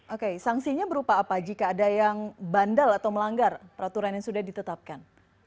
oke sanksinya berupa apa jika ada yang bandal atau melanggar peraturan yang sudah ditetapkan